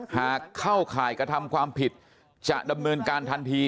หากเข้าข่ายกระทำความผิดจะดำเนินการทันที